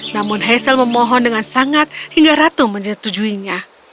namun hazal memohon dengan sangat hingga ratu menyetujuinya